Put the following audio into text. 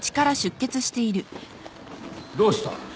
どうした？